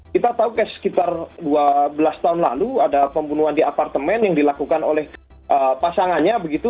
kita tahu sekitar dua belas tahun lalu ada pembunuhan di apartemen yang dilakukan oleh pasangannya begitu